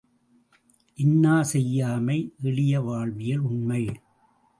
இன்னா செய்யாமை எளிய வாழ்வியல் உண்மை!